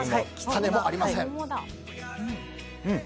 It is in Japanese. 種もありません。